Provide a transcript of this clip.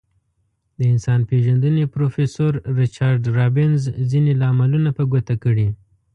د انسان پیژندنې پروفیسور ریچارد رابینز ځینې لاملونه په ګوته کړي.